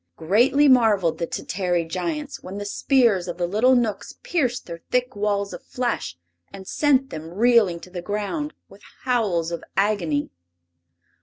Greatly marveled the Tatary Giants when the spears of the little Knooks pierced their thick walls of flesh and sent them reeling to the ground with howls of agony.